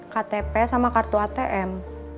ktp sama kartu atm